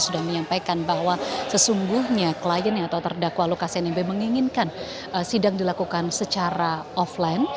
saya menyampaikan bahwa sesungguhnya klien atau terdakwa lukas nmbo menginginkan sidang dilakukan secara offline